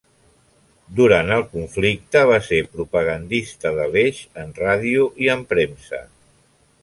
Durant el conflicte, va ser propagandista de l'Eix en ràdio i en premsa.